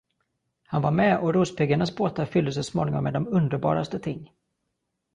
Han var med och rospiggarnas båtar fylldes så småningom med de underbaraste ting.